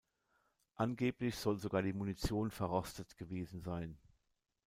Angeblich soll sogar die Munition verrostet gewesen sein.